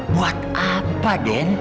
buat apa den